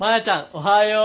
おはよう。